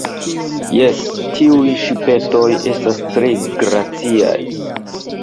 Jes, tiuj ŝipetoj estas tre graciaj.